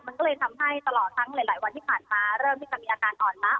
มันก็เลยทำให้ตลอดทั้งหลายวันที่ผ่านมาเริ่มที่จะมีอาการอ่อนมัก